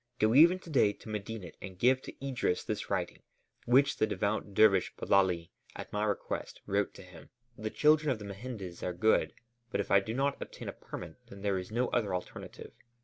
Go even to day to Medinet and give to Idris this writing, which the devout dervish Bellali, at my request, wrote to him. The children of the mehendes are good, but if I do not obtain a permit, then there is no other alternative.